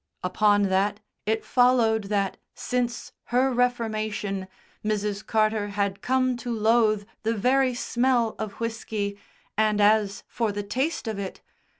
Upon that it followed that, since her reformation, Mrs. Carter had come to loathe the very smell of whisky, and as for the taste of it!